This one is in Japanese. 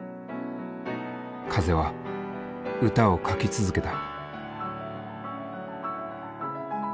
風は歌を書き続けた。